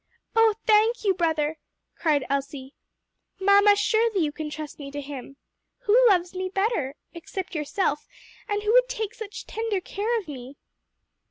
"Oh, thank you, brother!" cried Elsie. "Mamma, surely you can trust me to him! Who loves me better? except yourself and who would take such tender care of me?"